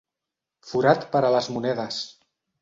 Forat per a les monedes.